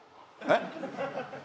えっ？